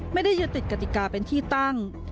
ไม่ได้ยึดติดกติกาเป็นที่ตั้ง